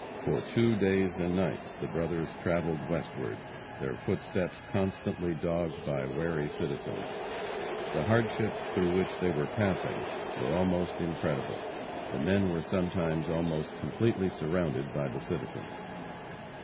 For two days and nights the brothers travelled westward, their footsteps constantly dogged by wary citizens. The hardships through which they were passing were almost incredible. The men were sometimes almost completely surrounded by the citizens.